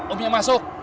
om yang masuk